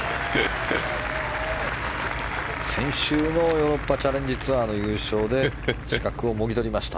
先週のヨーロッパチャレンジツアーの優勝で資格をもぎ取りました。